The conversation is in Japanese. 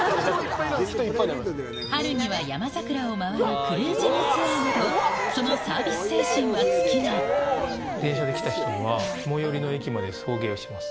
春には山桜を回るクルージングツアーなど、そのサービス精神電車で来た人には、最寄りの駅まで送迎します。